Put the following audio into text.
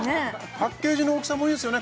パッケージの大きさもいいですよね